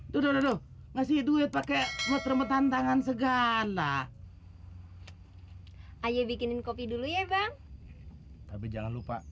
duduk ngasih duit pakai motremetan tangan segan lah ayo bikinin kopi dulu ya bang tapi jangan lupa